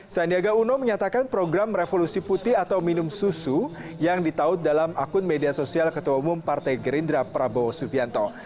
sandiaga uno menyatakan program revolusi putih atau minum susu yang ditaut dalam akun media sosial ketua umum partai gerindra prabowo subianto